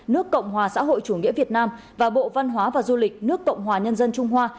nước cộng hòa xã hội chủ nghĩa việt nam và bộ văn hóa và du lịch nước cộng hòa nhân dân trung hoa